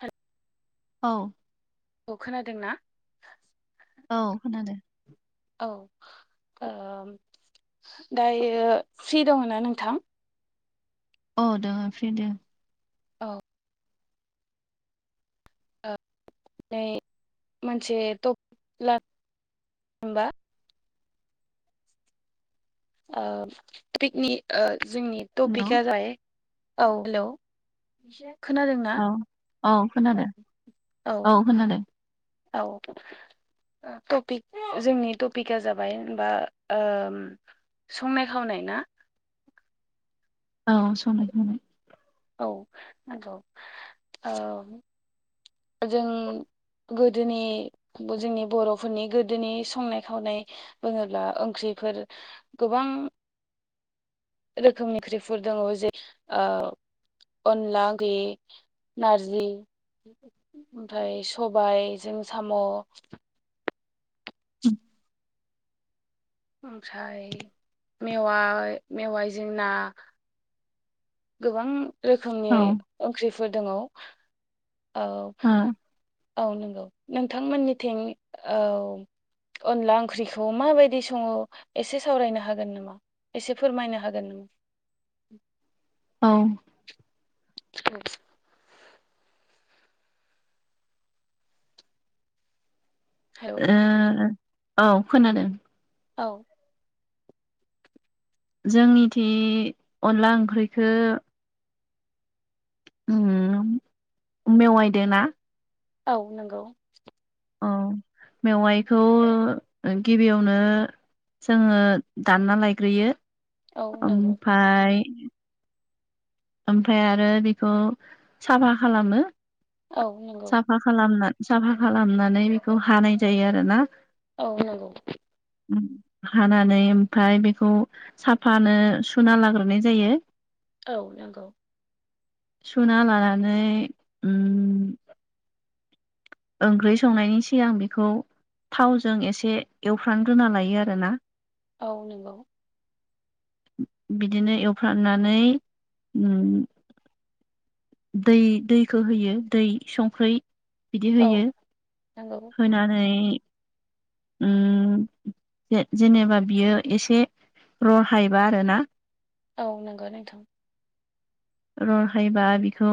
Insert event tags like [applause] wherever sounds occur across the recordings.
आ औ खोनादों ना औ खोनादों औ दायो सि दङ ना नोंथां अ द फ्रि दे औ ओ नै मोनसे टपिक लानो हबा टपिकनि जोंनि हेलौ टपिकआ जाय औ हेलौ एसे खोनादों ना औ औ खोनादों औ खोनादों औ टपिक जोंनि टपिकआ जाबायबा संनाय खावनाय ना औ सनाय खनाय औ जों गोदोनि जोंनि बर'फोरनि गोदोनि संनाय खावनाय बुङोब्ला ओंख्रि बेफोर गोबां रोखोमनि ख्रिफुर दङ जे अनला गे नारजि ओमफ्राय सबायजों साम' औ ओमफ्राय मेवाय मेवाय जोंना गोबां औ रोखोमनि ओ ओंख्रिफोर दङ औ औ नंगौ नोंथांमोननिथिं औ अनला ओंख्रिखौ माबायदि सङो एसे सावरायनो हागोन नामा एसे फोरमायनो हागोन नों औ उ हेल औ खोनादों औ जोंनिथि अनला ओंख्रिख मेवायदों ना औ नंगौ औ मेवाइखौ ओ गिबियावनो जोङो दानना लायग्रोयो औ नंगौ ओमफाय ओमफाय आरो बेखौ साफा खालामो औ नंगौ साफा खालामना साफा खालामनानै बेखौ हानाय जायो आरोना औ नंगौ [unintelligible] हानानै ओमफ्राय बेखौ साफानो सुना लाग्रोनाय जायो औ नंगौ सुना लानानै ओम ओंख्रि संनायनि सिगां बेखौ थावजों एसे एवफ्रामग्रोना लायो आरोना औ नंगौ बिदिनो एवफ्रामनानै ओम दै दैखौ होयो दै संख्रि बिदि औ होयो नंगौ होनानै ओम जे जेनेबा बियो एसे रहायबा आरोना औ नंगौ नोंथां रहायबा बिखौ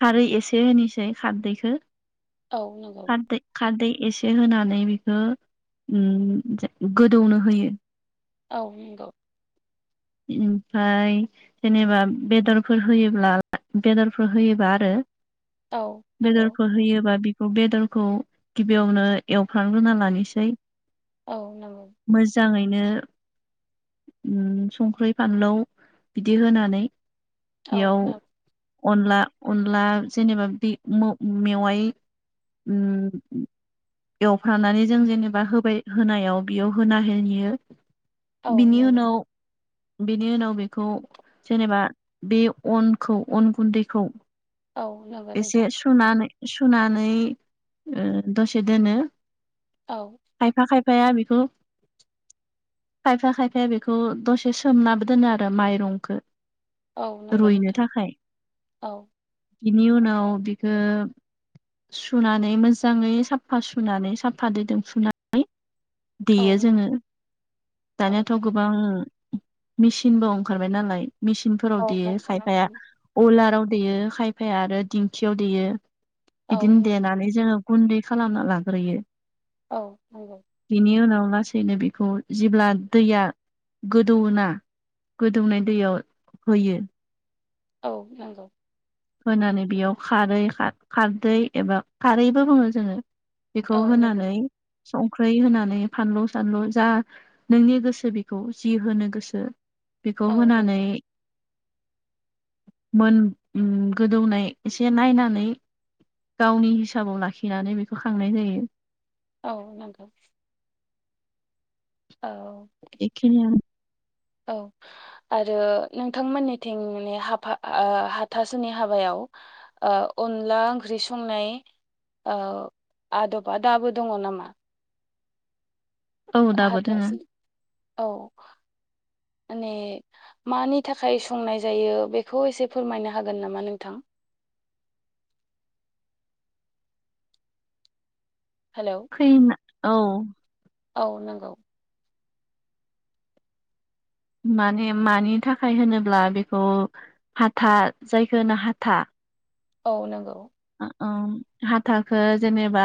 खारै एसे होनोसै खारदैखो औ नंगौ खारदै खारदै एसे होनानै बेखौ ओम गोदौनो होयो औ नंगौ ओमफाय जेनेबा बेदरफोर होयोब्ला बेदरफोर होयोबा आरो औ नंगौ बेदरफोर होयोबा बि बेदरखौ गिबियावनो एवफ्राम ग्रोना लानोसै औ नंगौ। नो उम ंख्रि फानलु बिदि होनानै औ बेयाव औ अनला अनला जेनेबा बि मेवाय ओम एवफ्रानानै जों जेनेबा होबाय होनायाव बेयाव होना होयो औ बिनि नंगौ उनाव बेनि उनाव बेखौ जेनेबा बे अनखौ अन गुन्दैखौ औ नंगौ एसे नोंथां सुनानै सुनानै ओ दसे दोनो औ [unintelligible] बेखौ खायफा खायफाया बेखौ दसे सोमनाबो दोनो आरो माइरंखो औ नंगौ नोंथां औ बिनि उनाव बिखो सुनानै मोजाङै साफा सुनानै साफा दैदो सुनानै औ देयो नंगौ जोङो औ दानियाथ' गोबां मेचिनबो ओंखारबाय नालाय मेसिनफोराव औ देयो नंगौ खायफाया अलाराव देयो खायफाया आरो दिंखियाव देयो। औ बिदिनो नंगौ देनानै जोङो गुन्दै खालामना लाग्रोयो। औ नंगौ बिनि उनाव लासैनो बेखौ जेब्ला दैया गोदौ ना गोदौनाय दैयाव होयो। औ नंगौ होनानै बेयाव खारै खारदै एबा खारैबो बुङो जोङो बेखौ औ नंगौ होनानै संख्रि होनानै फानलु सानलु जा नोंनि गोसो बेखौ जि होनो गोसो बेखौ औ नंगौ होनानै मोन ओम गोदौनाय एसे नायनानै गावनि हिसाबाव लाखिनानै बेखौ खांनाय जायो। औ नंगौ। औ एखिनियानो औ आरो नोंथांमोननिथिं नि हाफा ओ हाथासुनि हाबायाव ओ अनला ओंख्रि संनाय ओ आदबा दाबो दङ नामा? औ दाबो दोङो हाथासै औ माने मानि थाखाय संनाय जायो बेखौ एसे फोरमायनो हागोन नामा नोंथां? हेलौ खैना‌ औ औ नंगौ माने मानि थाखाय होनोब्ला बेखौ हाथा जायखौ होनो हाथा औ नंगौ औ हाथाखौ जेनेबा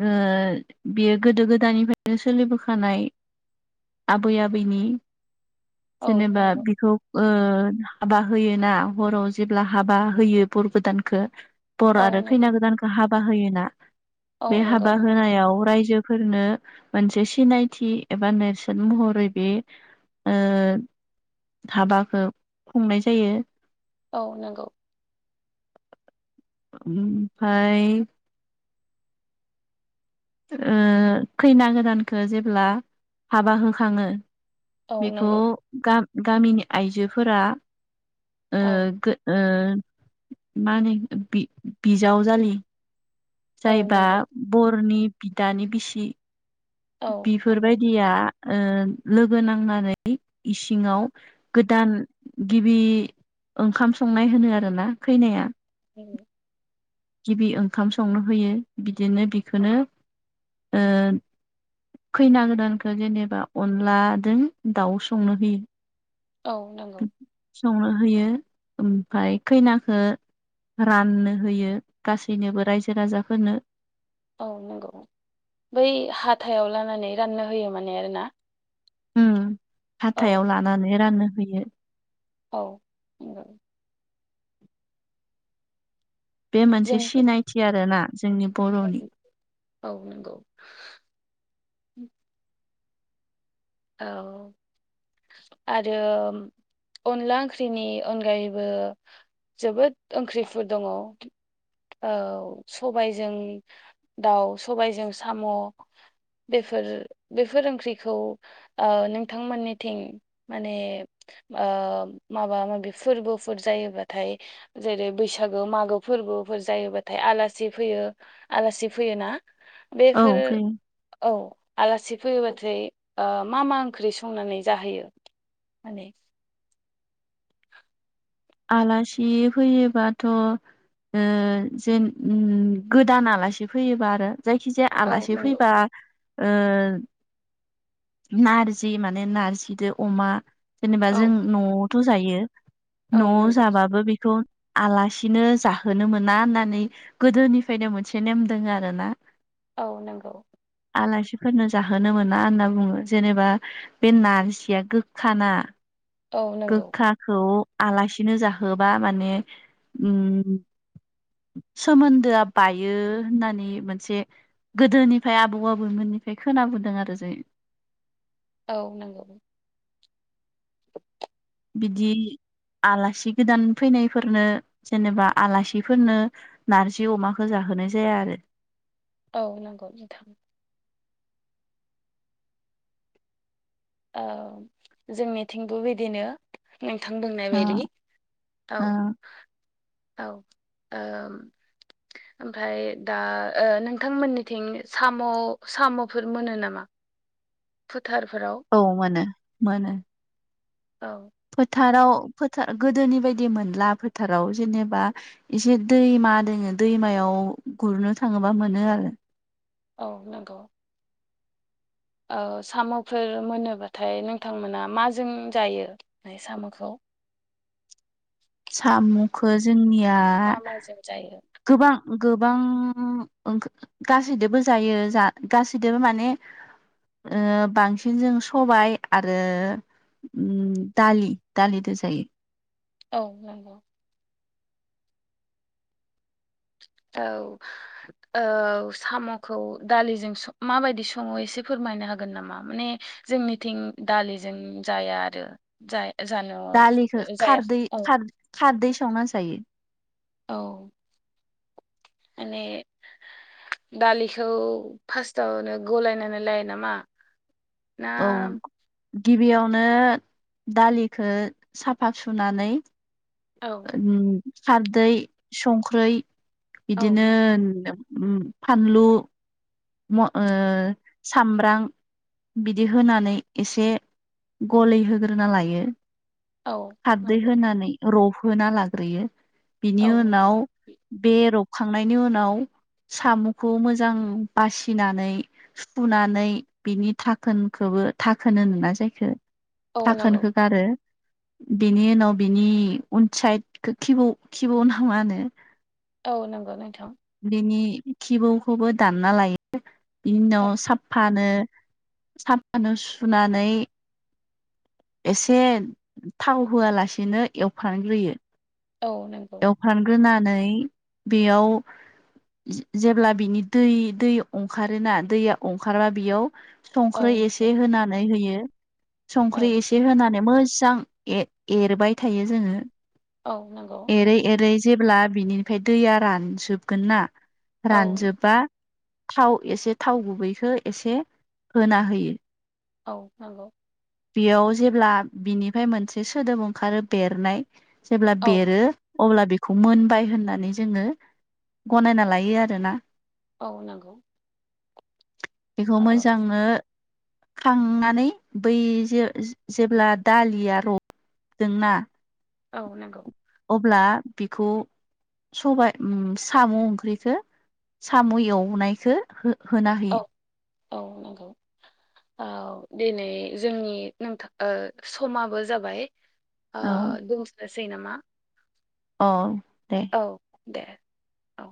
ओ बियो गोदो गोदानिफ्रायनो सोलि लिबोखानाय आबै आबैनि औ जेनेबा नंगौ बिखौ ओ हाबा होयोना हराव जेब्ला हाबा होयो बर गोदानखौ बर औ आरो नंगौ खैना गोदानखौ हाबा होयोना बे औ नंगौ हाबा नोंथां होनायाव रायजो फोरनो मोनसे सिनायथि एबा नेरसोन महरै बे ओ हाबाखौ खुंनाय जायो औ नंगौ ओमफ्राय ओ खैना गोदानखौ जेब्ला हाबा होखाङो औ बेखौ नंगौ गा-गामिनि आयजोफोरा ओ औ गो ओ मा होनो बि-बिजाव जालि औ जायबा नंगौ बरनि बिदानि बिसि औ बेफोर नंगौ बायदिया ओ लोगो नांनानै इसिङाव गोदान गिबि ओंखाम संनाय होनो आरोना खैनाया ओ गिबि ओंखाम संनो होयो बिदिनो बिखौनो ओ खैना गोदानखौ जेनेबा अनलादों दाउ संनो होयो औ नंगौ संनो होयो ओमफ्राय खैनाखौ राननो होयो गासैनोबो रायजो राजाफोरनो औ नंगौ बै हाथायाव लानानै राननो होयो माने आरोना ओम औ हाथायाव लानानै रानो औ नंगौ बे मोनसे सिनायथि आरोना बे औ-औ नंगौ औ आरो म अनला ओंख्रिनि अनगायैबो जोबोद ओंख्रिफोर दङ औ सबायजों दाउ सबायजों साम' बेफोर-बेफोर ओंख्रिखौ औ नोंथांमोननिथिं माने ओ माबा माबि फोरबो फोर जायोबाथाय जेरै बैसागो मागो फोरबोफोर जायोबाथाय आलासि फैयो आलासि फैयोना औ बेफोर फै औ आलासि फैयोबाथाय मा मा ओंख्रि संनानै जाहोयो माने आलासि फैयोबाथ' जेन गोदान आलासि फैयोबा आरो जायखिजाया औ आलासि नंगौ फैबा नारजि माने नारजिजों अमा जेनेबा औ जों न'आवथ' जायो औ न' नंगौ जाबाबो बेखौ आलासिनो जाहोनो मोना होननानै गोदोनिफ्रायनो मोनसे नेम दोङ आरोना औ नंगौ आलासिफोरनो जाहोनो मोना होनना बुङो जेनेबा बे नारजिया गोखाना औ नंगौ गोखाखौ आलासिनो जाहोबा माने सोमोन्दोआ बायो होननानै मोनसे गोदोनिफ्राय आबौ आबौमोननिफ्राय खोनाबोदों आरो जोङो। औ नंगौ बिदि आलासि गोदान फैनायफोरनो जेनेबा आलासिफोरनो नारजि अमाखौ जाहो होनाय जाया आरो औ नंगौ नोंथां औ जोंनिथिंबो बिदिनो नोंथां बुंनाय ओ बायदि औ औ ओम ओमफाय दा ओ नोंथांमोननिथिं साम' साम'फोर मोनो नामा फोथारफोराव औ मोनो मोनो औ फोथाराव फोथा गोदोनि बायदि मोनला फोथाराव जेनेबा एसे दैमा दोङो दैमायाव गुरनो थाङोबा मोनो आरो औ नंग' ओ साम'फोर मोनोबाथाय नोंथांमोना माजों जायो बे साम'खौ [inaudible] साम'खो जोंनिया मा माजों जायो गोबां गोबां ओम [unintelligible] गासैदोबो जायो जा गासैदोबो माने ओ बांसिन जों सबाय आरो उम दालि दालिदो जायो औ नंगौ [inaudible] औ औ साम'खौ दालिजों सं माबायदि सङो एसे फोरमायनो हागोन नामा माने जोंनिथिं दालिजों जाया आरो जाया जानो दालिखो खारदै औ खार-खारदै संना जायो औ माने दालिखौ फास्तावनो गलायनानै लायो नामा ना औ गिबियावनो दालिखो साफा सुनानै औ ओम खारदै संख्रै औ बिदिनो नंगौ उम फानलु म' ओ सामब्रां बिदि होनानै एसे गलि होग्रोना लायो औ खारदै नंगौ होनानै रब होना लाग्रोयो बिनि औ उनाव बे रबखांनायनि उनाव साम'खौ मोजां बासिनानै सुुनानै बिनि धाखोनखोबो धाखोन होनोना जायखो औ नंगौ धाखोनखो गारो बिनि उनाव बिनि उनसाइदखो खिबौ खिबौ ना मा होनो औ नंगो नोंथां बिनि खिबौखौबो दानना लायो बिनि उनाव औ साफफानो साफानो सुनानै एसे थाव होआलासिनो एवफ्रांग्रोयो औ नंगौ एवफ्रानग्रोनानै बेयाव जे-जेब्ला बिनि दै दै अंखारोना दैया अंखारबा बेयाव औ संख्रै नंगौ एसे होनानै होयो औ संख्रै एसे होनानै मो जां ए-एरबाय थायो जोङो औ नंगौ एरै एरै जेब्ला बिनिफ्राय दैया रानजोबगोन ना औ रानजोबबा थाव एसे थाव गुबैखो एसे होना होयो औ नंगौ बियाव जेब्ला बिनिफाय मोनसे सोदोब ओंखारो बेरनाय जेब्ला औ बेरो अब्ला बेखौ मोनबाय होननानै जोङो गनायना लायो आरो ना औ नंगौ बेखौ औ मोजांनो खांनानै बै जे जेब्ला दालिया रदोंना औ नांगौ अब्ला बेखौ सबाय उम साम' ओंख्रिखौ साम' एवनायखौ हो होना होयो औ औ नंगौ औ दिनै जोंनि नोंथां ओ समाबो जाबाय आ औ दोसनोसै नामा अ औ दे औ